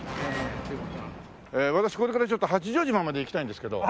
私これからちょっと八丈島まで行きたいんですけど。